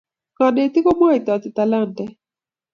kanetik komwoitai talanta